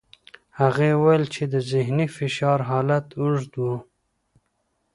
هغې وویل چې د ذهني فشار حالت اوږد و.